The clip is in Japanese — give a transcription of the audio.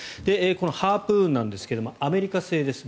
このハープーンですがアメリカ製です